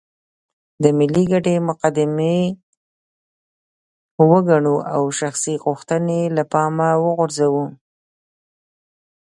د ملي ګټې مقدمې وګڼو او شخصي غوښتنې له پامه وغورځوو.